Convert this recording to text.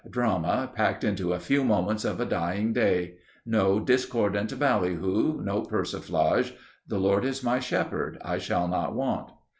Drama, packed into a few moments of a dying day. No discordant ballyhoo. No persiflage.... "The Lord is my shepherd. I shall not want...."